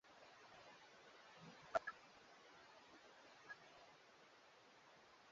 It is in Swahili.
Rwanda na Jamuhuri ya kidemokrasia ya Kongo zilishirikiana katika oparesheni ya kijeshi